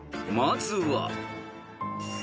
［まずは］